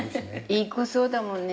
いい子そうだもんね。